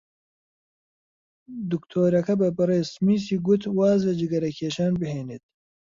دکتۆرەکە بە بەڕێز سمیسی گوت واز لە جگەرەکێشان بهێنێت.